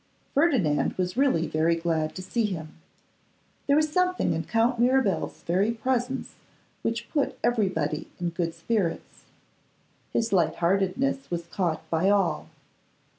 Ferdinand was really very glad to see him; there was something in Count Mirabel's very presence which put everybody in good spirits. His lightheartedness was caught by all.